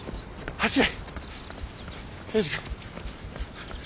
走れ。